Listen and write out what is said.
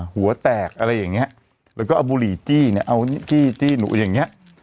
หัวแตกอะไรอย่างเงี้ยแล้วก็เอาบุหรี่จี้เนี่ยเอาจี้จี้หนูอย่างเงี้ย